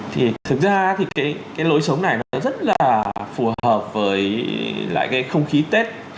thì thực ra thì cái lối sống này nó rất là phù hợp với lại cái không khí tết